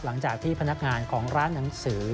หลังจากที่พนักงานของร้านหนังสือ